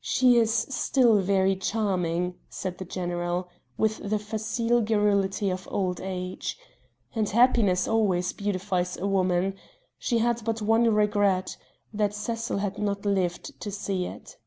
"She is still very charming," said the general, with the facile garrulity of old age, "and happiness always beautifies a woman she had but one regret: that Cecil had not lived to see it."